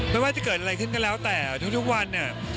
ไม่ว่าจะเกิดอะไรขึ้นก็แล้วแต่ทุกวันเนี่ย